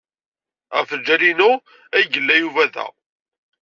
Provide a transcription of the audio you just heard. Ɣef lǧal-inu ay yella Yuba da.